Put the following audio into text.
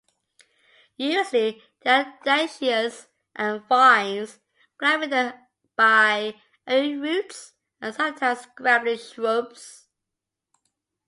Usually they are dioecious and vines, climbing by aerial roots, or sometimes scrambling shrubs.